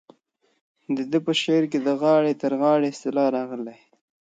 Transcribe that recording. د ده په شعر کې د غاړې تر غاړې اصطلاح راغلې.